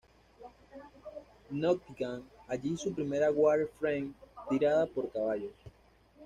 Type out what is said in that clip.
Nottingham, allí su primera "Water Frame", tirada por caballos.